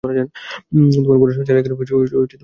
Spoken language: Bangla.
তোমার পড়াশোনা চালিয়ে গেলে, সমস্যা কী?